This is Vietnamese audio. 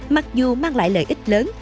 mặc dù mang lại lợi ích lớn